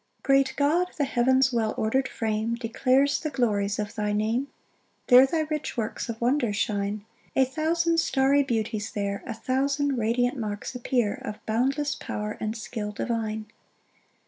1 Great God, the heaven's well order'd frame Declares the glories of thy name; There thy rich works of wonder shine: A thousand starry beauties there, A thousand radiant marks appear Of boundless power and skill divine.